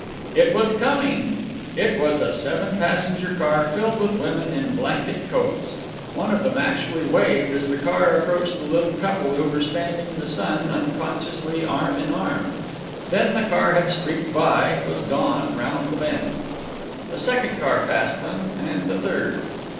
It was coming! It was a seven passenger car, filled with women in blanket coats. One of them actually waved, as the car approached the little couple who were standing in the sun, unconsciously arm in arm. Then the car had streaked by, was gone round the bend. The second car passed them, and the third.